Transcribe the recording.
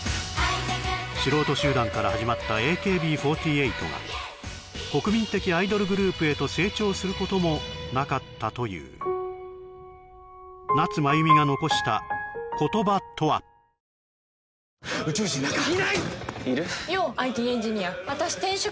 素人集団から始まったＡＫＢ４８が国民的アイドルグループへと成長することもなかったという夏まゆみが残した言葉とは颯という名の爽快緑茶！